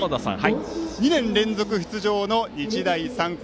２年連続出場の日大三高。